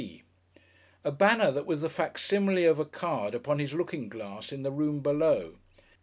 P. a banner that was the fac simile of a card upon his looking glass in the room below.